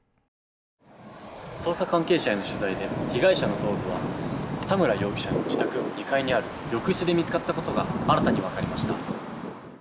捜査関係者への取材で被害者の頭部は田村容疑者の自宅の２階にある浴室で見つかったことが新たに分かりました。